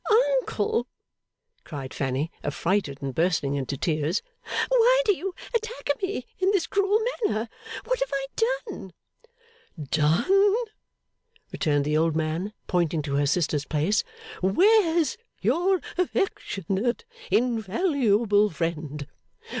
'Uncle?' cried Fanny, affrighted and bursting into tears, 'why do you attack me in this cruel manner? What have I done?' 'Done?' returned the old man, pointing to her sister's place, 'where's your affectionate invaluable friend?